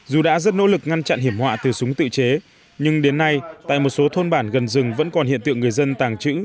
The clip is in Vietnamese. dù đã rất nỗ lực ngăn chặn hiểm họa từ súng tự chế nhưng đến nay tại một số thôn bản gần rừng vẫn còn hiện tượng người dân tàng trữ